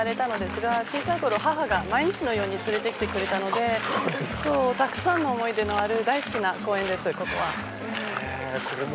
私、パリに生まれたのですが小さいとき、母が毎日のように連れてきてくれたのでたくさんの思い出がある大好きな公園です。